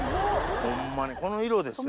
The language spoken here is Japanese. ホンマにこの色ですよ。